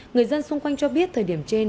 người dân xung quanh cho biết thời điểm trên